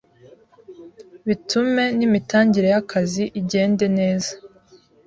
bitume n’imitangire y’akazi igende neza.